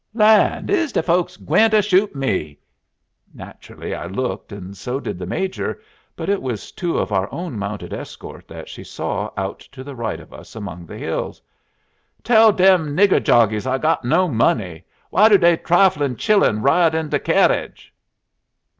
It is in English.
"Land! is dey folks gwineter shoot me?" Naturally I looked, and so did the Major; but it was two of our own mounted escort that she saw out to the right of us among the hills. "Tell dem nigger jockeys I got no money. Why do dey triflin' chillun ride in de kerridge?"